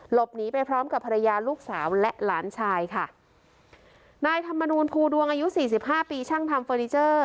หลบหนีไปพร้อมกับภรรยาลูกสาวและหลานชายค่ะนายธรรมนูลภูดวงอายุสี่สิบห้าปีช่างทำเฟอร์นิเจอร์